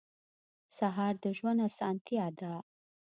سهار د ژوند اسانتیا ده.